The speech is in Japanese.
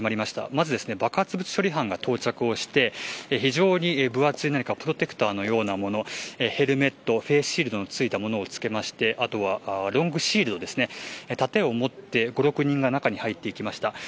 まず爆発物処理班が到着して非常に分厚いプロテクターのようなものヘルメットフェイスシールドを着けてロングシールド、盾を持って５、６人が中に入っていきました。